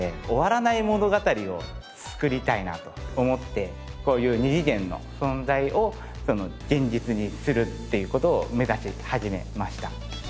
終わらない物語をつくりたいなと思ってこういう２次元の存在を現実にするっていう事を目指し始めました。